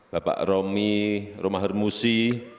bapak romi romahurmusi